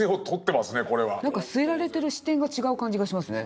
何か据えられてる視点が違う感じがしますね。